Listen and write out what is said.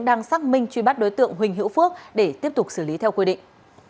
đang xác minh truy bắt đối tượng huỳnh hữu phước để tiếp tục xử lý theo quy định